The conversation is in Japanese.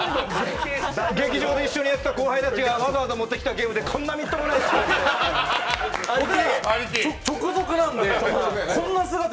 劇場で一緒にやっていた後輩たちがわざわざ持ってきたゲームでこんなみっともない姿を。